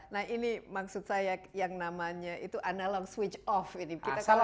nah ini maksud saya yang namanya itu analog switch off ini